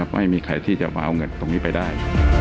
ไม่มีใครที่จะมาเอาเงินตรงนี้ไปได้